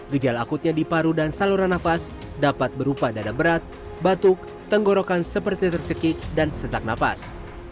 gejala akutnya di paru dan saluran nafas dapat berupa dada berat batuk tenggorokan seperti tercekik dan sesak napas